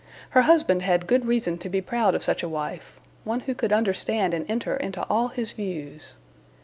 Her husband had good reason to be proud of such a wife, one who could understand and enter into all his views.